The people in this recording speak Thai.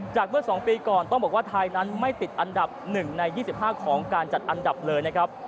เมื่อ๒ปีก่อนต้องบอกว่าไทยนั้นไม่ติดอันดับ๑ใน๒๕ของการจัดอันดับเลยนะครับ